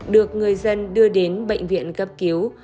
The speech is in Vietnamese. được người dân đưa đến bệnh viện cấp cứu